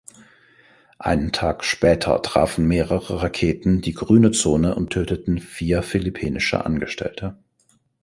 Einen Tag später trafen mehrere Raketen die Grüne Zone und töteten vier philippinische Angestellte.